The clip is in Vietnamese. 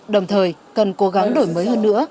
đồng thời cần cố gắng đổi mới hơn nữa